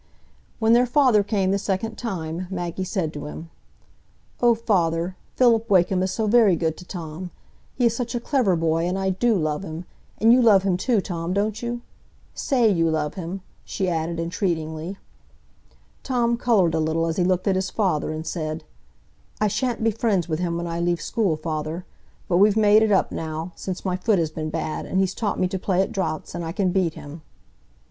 When their father came the second time, Maggie said to him, "Oh, father, Philip Wakem is so very good to Tom; he is such a clever boy, and I do love him. And you love him too, Tom, don't you? Say you love him," she added entreatingly. Tom coloured a little as he looked at his father, and said: "I sha'n't be friends with him when I leave school, father; but we've made it up now, since my foot has been bad, and he's taught me to play at draughts, and I can beat him."